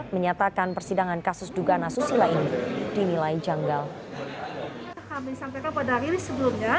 menyatakan persidangan kasus duga nasusila ini dinilai janggal